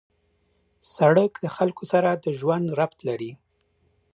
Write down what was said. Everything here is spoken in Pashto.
سړک له خلکو سره د ژوند ربط لري.